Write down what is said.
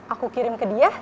aku kirim ke dia